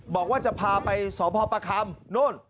บอกว่าจะพาไปสพประคำโน่น